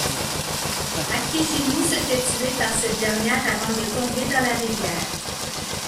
Akeginu se fait tuer par cette dernière avant de tomber dans la rivière.